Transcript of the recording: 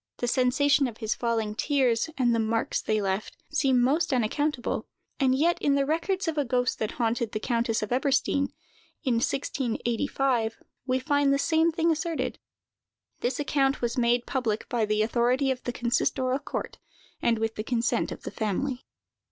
The sensation of his falling tears, and the marks they left, seem most unaccountable; and yet, in the records of a ghost that haunted the countess of Eberstein, in 1685, we find the same thing asserted. This account was made public by the authority of the consistorial court, and with the consent of the family.